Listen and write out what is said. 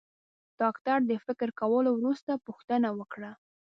ډاکټر د فکر کولو وروسته پوښتنه وکړه.